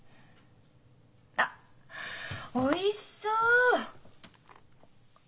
あっおいしそう！